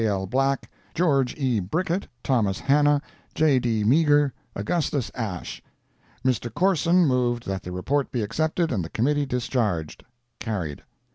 L. Black, George E. Brickett, Thomas Hannah, J. D. Meagher, Augustus Ash. Mr. Corson moved that the report be accepted, and the committee discharged. Carried.